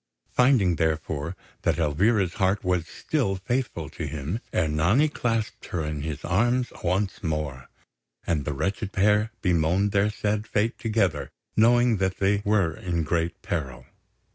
Finding, therefore, that Elvira's heart was still faithful to him, Ernani clasped her in his arms once more; and the wretched pair bemoaned their sad fate together, knowing that they were in great peril.